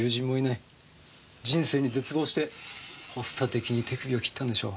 人生に絶望して発作的に手首を切ったんでしょう。